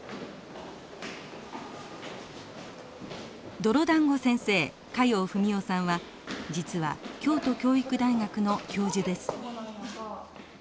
泥だんご先生加用文男さんは実は京都教育大学の教授です。